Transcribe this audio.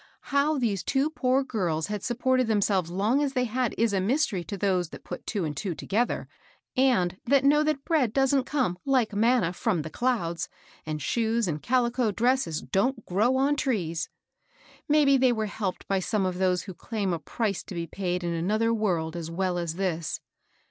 How these two poor girls had supported themselves long as they had is a mystery to those that put two and two together, and that know that bread doesn't CQme, like manna, from the clouds, and shoes and calico dresses don't grow on trees. Maybe they were helped by some of those who daim a price to be paid in another world as well as this.